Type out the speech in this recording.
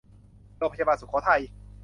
โรงพยาบาลสุโขทัย